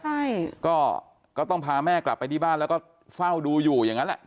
ใช่ก็ต้องพาแม่กลับไปที่บ้านแล้วก็เฝ้าดูอยู่อย่างนั้นแหละ